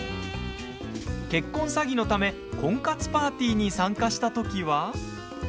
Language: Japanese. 結婚詐欺のため婚活パーティーに参加した時は。